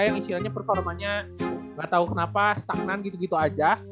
yang istilahnya performanya nggak tahu kenapa stagnan gitu gitu aja